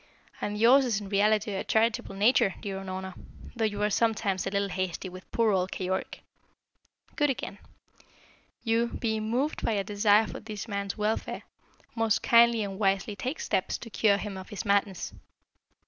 And yours is in reality a charitable nature, dear Unorna, though you are sometimes a little hasty with poor old Keyork. Good again. You, being moved by a desire for this man's welfare, most kindly and wisely take steps to cure him of his madness.